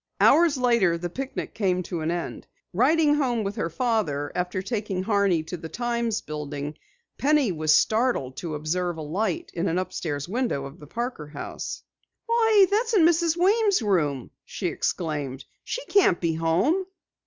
Hours later the picnic came to an end. Riding home with her father after taking Horney to the Times building, Penny was startled to observe a light in an upstairs window of the Parker house. "Why, that's in Mrs. Weems' room!" she exclaimed. "She can't be home!"